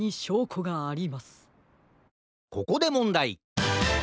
ここでもんだい。